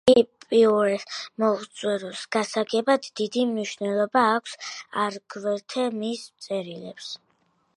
ეპიკურეს მოძღვრების გასაგებად დიდი მნიშვნელობა აქვს, აგრეთვე მის წერილებს.